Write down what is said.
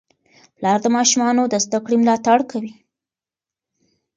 پلار د ماشومانو د زده کړې ملاتړ کوي.